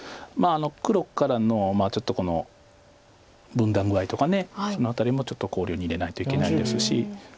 黒からのちょっと分断具合とかその辺りもちょっと考慮に入れないといけないですし。